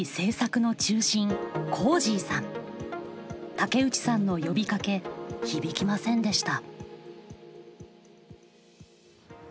竹内さんの呼びかけ響きませんでした。